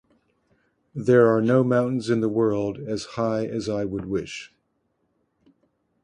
There are no mountains in the world as high as I would wish...